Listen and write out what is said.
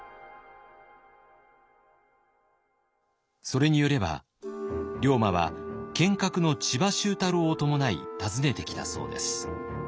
それによれば龍馬は剣客の千葉周太郎を伴い訪ねてきたそうです。